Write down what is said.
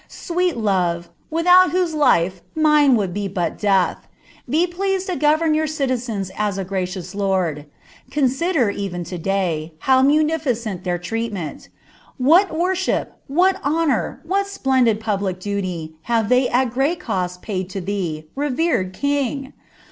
Sweet love, without whose life mine would be but death ! Be pleased to govern jour citizens as a gracious lord. Consider, even to day, how munificent their treatment! What worship, what honour, what splendid public duty, have they at great cost paid to thee, revered king